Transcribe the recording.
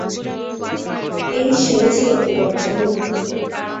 এই, সেরেছে, রদ্রিগো।